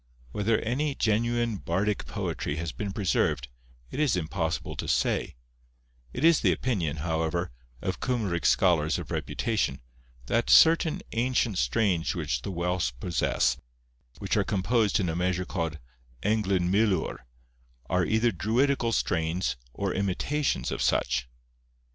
Whether any genuine bardic poetry has been preserved, it is impossible to say; it is the opinion, however, of Cymric scholars of reputation, that certain ancient strains which the Welsh possess, which are composed in a measure called Englyn milwr, are either druidical strains or imitations of such.